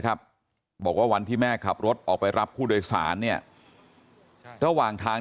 ครับบอกว่าวันที่แม่ขับรถออกไปรับผู้โดยสารเนี่ยระหว่างทาง